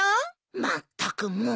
まったくもう。